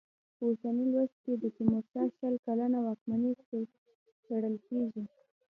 په اوسني لوست کې د تېمورشاه شل کلنه واکمني څېړل کېږي.